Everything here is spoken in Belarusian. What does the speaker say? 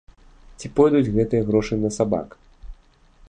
Ці пойдуць гэтыя грошы на сабак?